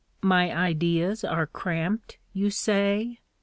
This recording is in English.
My ideas are cramped, you say?